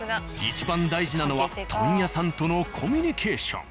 いちばん大事なのは問屋さんとのコミュニケーション。